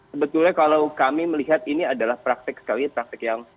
sebetulnya kalau kami melihat ini adalah praktek sekali praktek yang